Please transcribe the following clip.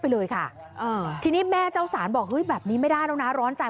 ล๊อกอ๋อเฮ้ยแบบนี้ไม่ได้แล้วนะร้อนใจ